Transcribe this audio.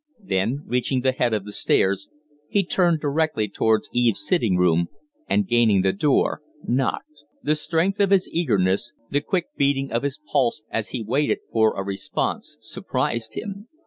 Then, reaching the head of the stairs, he turned directly towards Eve's sitting room, and, gaining the door, knocked. The strength of his eagerness, the quick beating of his pulse as he waited for a response, surprised him.